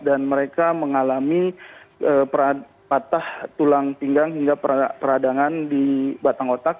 dan mereka mengalami patah tulang pinggang hingga peradangan di batang otak